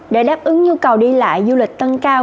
để đáp ứng nhu cầu đi lại du lịch tăng cao